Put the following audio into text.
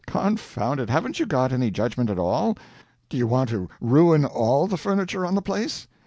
"Confound it, haven't you got any judgment at all? Do you want to ruin all the furniture on the place?